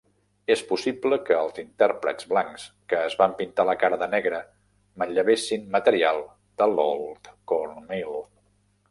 És possible que els intèrprets blancs que es van pintar la cara de negre manllevessin material de l'Old Corn Meal.